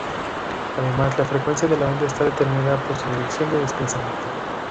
Además, la frecuencia de la onda está determinada por su dirección de desplazamiento.